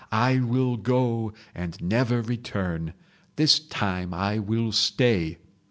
I will go and never return. This time I will stay ....